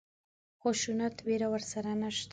خشونت وېره ورسره نشته.